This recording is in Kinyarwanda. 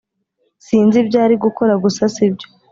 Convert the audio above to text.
sinzi ibyo ari gukora gusa sibyo